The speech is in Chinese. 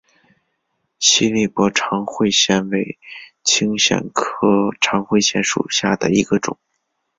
西里伯长喙藓为青藓科长喙藓属下的一个种。